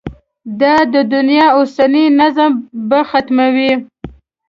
دا د دنیا اوسنی نظم به ختموي.